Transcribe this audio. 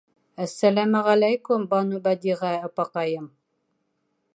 Әссәләмәғәләйкүм, Банубәдиғә апаҡайым.